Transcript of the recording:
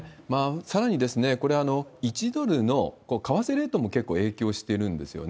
さらに、これは１ドルの為替レートも結構影響してるんですよね。